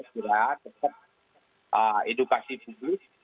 kira kira edukasi publis